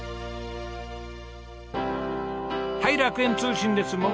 はい楽園通信です。